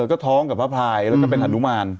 ก็ท้องกับพระพลายแล้วก็เป็นอนุมาน